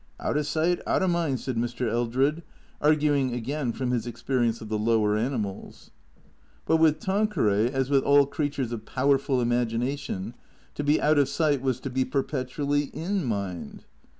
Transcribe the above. "Out o' sight, out o' mind," said Mr. Eldred, arguing again from his experience of the lower animals. But with Tanqueray, as with all creatures of powerful imagi nation, to be out of sight was to be perpetually in mind.